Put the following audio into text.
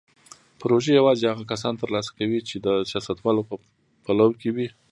پروژې یوازې هغه کسان ترلاسه کوي چې د سیاستوالو په پلو کې وي.